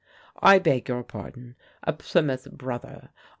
"I beg your pardon a Plymouth Brother.